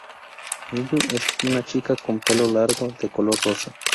Miyu es una chica con el pelo largo de color rosa.